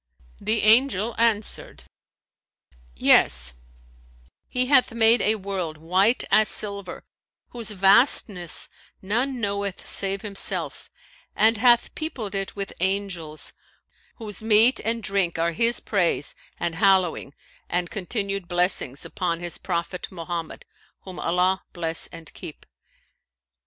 The Angel answered, 'Yes, He hath made a world white as silver, whose vastness none knoweth save Himself, and hath peopled it with Angels, whose meat and drink are His praise and hallowing and continual blessings upon His Prophet Mohammed (whom Allah bless and keep!).